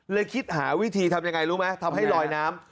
คิดหาวิธีทำยังไงรู้ไหมทำให้ลอยน้ำ